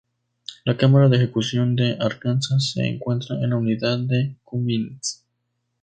La cámara de ejecución de Arkansas se encuentra en la Unidad de Cummins.